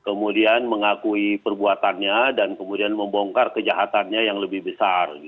kemudian mengakui perbuatannya dan kemudian membongkar kejahatannya yang lebih besar